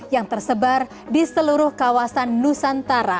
yang tersebar di seluruh kawasan nusantara